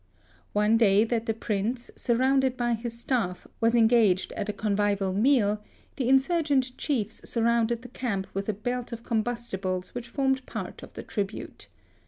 One day that the Prince, surrounded by his staff, was engaged at a convivial meal, the insurgent chiefs sur rounded the camp with a belt of combustibles which formed part of the tribute.